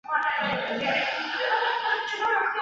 可以用微扰理论求解该近似模型。